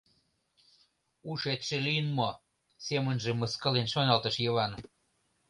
«Ушетше лийын мо? — семынже мыскылен шоналтыш Йыван.